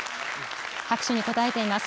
拍手に応えています。